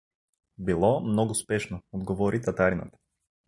Било много спешно — отговори татаринът.